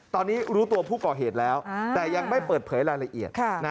ตอนนี้รู้ตัวผู้ก่อเหตุแล้วแต่ยังไม่เปิดเผยรายละเอียด